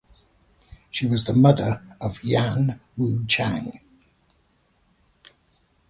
She was the mother of Yan Wucheng.